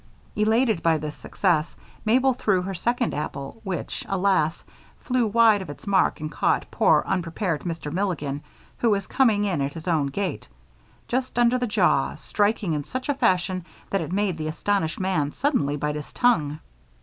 Elated by this success, Mabel threw her second apple, which, alas, flew wide of its mark and caught poor unprepared Mr. Milligan, who was coming in at his own gate, just under the jaw, striking in such a fashion that it made the astonished man suddenly bite his tongue.